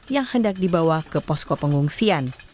yang hendak dibawa ke posko pengungsian